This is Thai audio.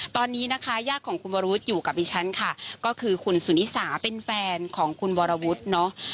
ตอนนี้นะคะญาติของคุณวรุธอยู่กับดิฉันค่ะก็คือคุณสุนิสาเป็นแฟนของคุณวรวุฒิเนอะ